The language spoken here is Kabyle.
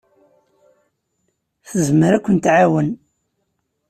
Tezmer ad kent-tɛawen.